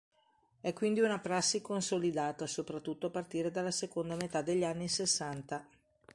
È quindi una prassi consolidata, soprattutto a partire dalla seconda metà degli anni sessanta.